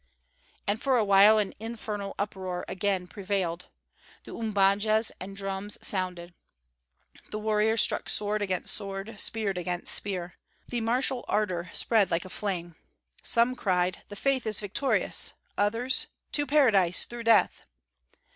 And for a while an infernal uproar again prevailed. The umbajas and drums sounded. The warriors struck sword against sword, spear against spear. The martial ardor spread like a flame. Some cried: "The faith is victorious!" Others: "To paradise through death!"